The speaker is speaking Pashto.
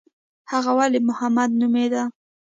هغه ولي محمد نومېده.